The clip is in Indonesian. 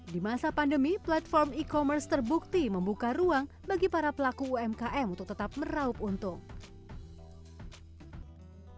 di masa pandemi platform e commerce terbukti membuka ruang bagi para pelaku umkm untuk tetap meraup untung